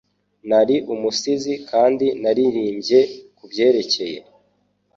Nari umusizi kandi naririmbye kubyerekeye